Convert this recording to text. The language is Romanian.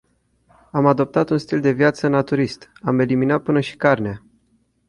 Am adoptat un stil de viață naturist, am eliminat până și carnea.